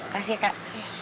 kasih ya kak